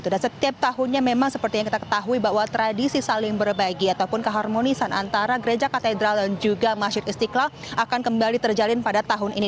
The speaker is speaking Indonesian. dan setiap tahunnya memang seperti yang kita ketahui bahwa tradisi saling berbagi ataupun keharmonisan antara gereja katedral dan juga masjid istiqlal akan kembali terjalin pada tahun ini